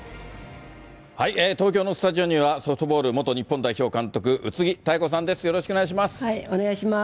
東京のスタジオには、ソフトボール元日本代表監督、宇津木妙子さんです。